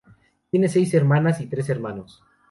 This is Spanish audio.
Tiene seis hermanas y tres hermanos.